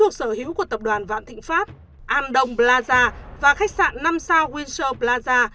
của tập đoàn vạn thịnh pháp andong plaza và khách sạn năm sao windsor plaza